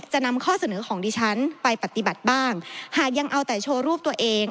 จะนำข้อเสนอของดิฉันไปปฏิบัติบ้างหากยังเอาแต่โชว์รูปตัวเอง